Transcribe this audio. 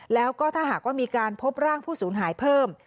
แล้วก็ถ้าหากว่ามีการพบร่างผู้สูญหายเพิ่ม